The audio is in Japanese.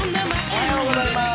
おはようございます。